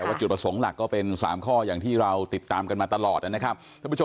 แต่ว่าจุดประสงค์หลักก็เป็น๓ข้ออย่างที่เราติดตามกันมาตลอดนะครับ